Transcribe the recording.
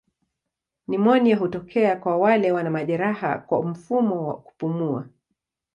Nimonia hutokea kwa wale wana majeraha kwa mfumo wa kupumua.